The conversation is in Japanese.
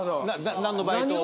何のバイトを？